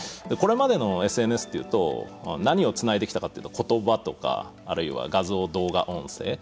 これまでのＳＮＳというと何をつないできたかというとことばとかあるいは画像、動画音声。